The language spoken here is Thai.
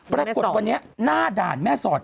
ปรากฏวันนี้หน้าด่านแม่สอด